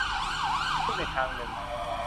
ซึ่งในทางนึง